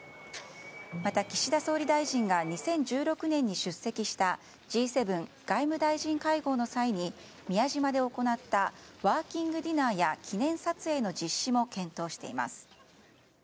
また岸田総理大臣が２０１６年に出席したＧ７・外務大臣会合の際に宮島で行ったワーキングディナーや記念撮影の実施も検討しています。